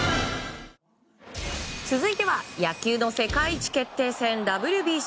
続いては野球の世界一決定戦、ＷＢＣ。